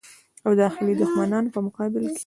او داخلي دښمنانو په مقابل کې.